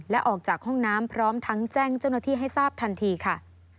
และออกจากห้องน้ำพร้อมทั้งแจ้งเจ้าหน้าที่ให้ทราบทันทีค่ะ